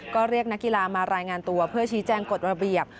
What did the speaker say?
ก็เรียกนักกีฬามารายงานตัวเพื่อชี้แจงกฎระเบียบ